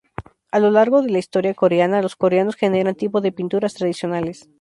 A lo largo de la historia coreana, los coreanos generan tipo de pinturas tradicionales.